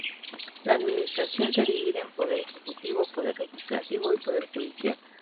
La administración se divide en poder ejecutivo, poder legislativo y poder judicial.